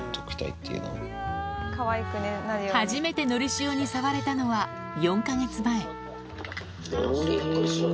初めてのりしおに触れたのはのりー。